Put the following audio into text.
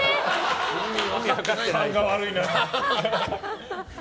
勘が悪いな。